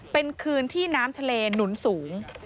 เป็นคืนที่น้ำทะเลหนุนสูง